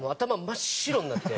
真っ白になって。